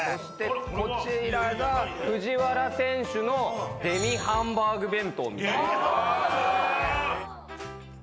こちらが藤原選手のデミハンバーグ弁当。